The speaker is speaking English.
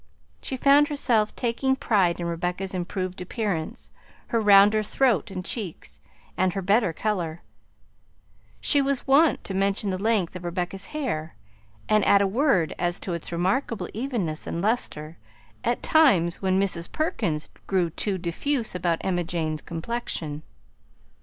She found herself taking pride in Rebecca's improved appearance, her rounder throat and cheeks, and her better color; she was wont to mention the length of Rebecca's hair and add a word as to its remarkable evenness and lustre, at times when Mrs. Perkins grew too diffuse about Emma Jane's complexion.